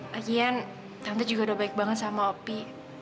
lagi kan tante juga udah baik banget sama opi